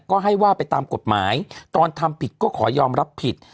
ก็ให้ว่าไปตามกฎหมายตอนทำผิดก็ขอยอมรับผิด